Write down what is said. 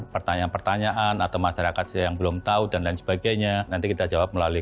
pertanyaan pertanyaan atau masyarakat yang belum tahu dan lain sebagainya nanti kita jawab melalui